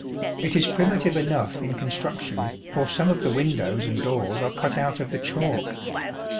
It is primitive enough in construction, for some of the windows and doors are cut out of the chalk.